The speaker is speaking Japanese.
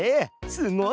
すごい！